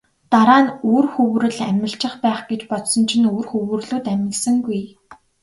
Дараа нь үр хөврөл амилчих байх гэж бодсон чинь үр хөврөлүүд амилсангүй.